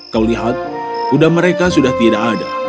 kau lihat kuda mereka sudah tidak ada